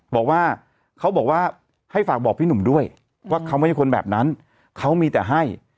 บอกว่าเขาบอกว่าให้ฝากบอกพี่หนุ่มด้วยว่าเขาไม่ใช่คนแบบนั้นเขามีแต่ให้